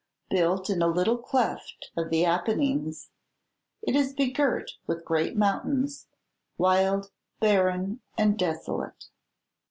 Built in a little cleft of the Apennines, it is begirt with great mountains, wild, barren, and desolate.